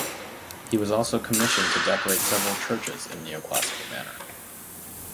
He was also commissioned to decorate several churches in a neoclassical manner.